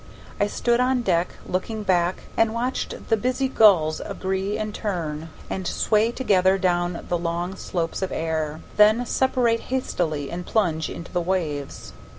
I stood on deck, looking back, and watched the busy gulls agree and turn, and sway together down the long slopes of air, then separate hastily and plunge into the waves.